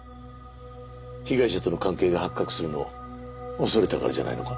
被害者との関係が発覚するのを恐れたからじゃないのか？